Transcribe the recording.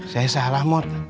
saya salah mot